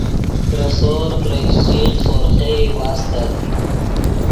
ترے سور ترے اشچیغ سورخئی واستت